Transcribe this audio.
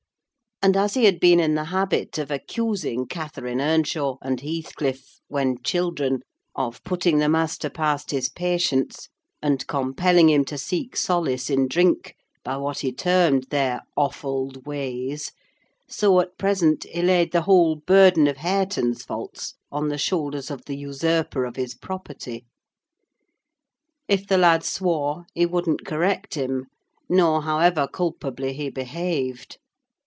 And as he had been in the habit of accusing Catherine Earnshaw and Heathcliff, when children, of putting the master past his patience, and compelling him to seek solace in drink by what he termed their "offald ways," so at present he laid the whole burden of Hareton's faults on the shoulders of the usurper of his property. If the lad swore, he wouldn't correct him: nor however culpably he behaved.